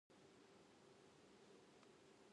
苺のタルトは好きですか。